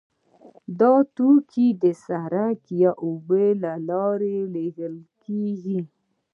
دا توکي د سړک یا اوبو له لارې لیږل کیږي